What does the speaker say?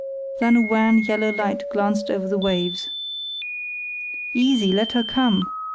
Then a wan, yellow light glanced over the waves. "Easy! Let her come!"